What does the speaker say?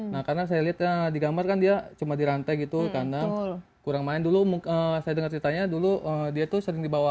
nah karena saya lihatnya di gambar kan dia cuma dirantai gitu di kandang kurang mais dulu saya dengar ceritanya dulu dia itu sering dibawa